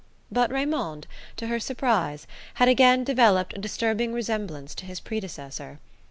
But Raymond, to her surprise, had again developed a disturbing resemblance to his predecessor.